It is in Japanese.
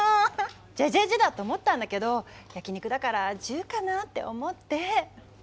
「じぇじぇじぇ」だと思ったんだけど焼き肉だから「じゅ」かなって思って。